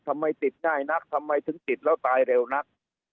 ทำไมติดง่ายนักทำไมถึงติดแล้วตายเร็วนัก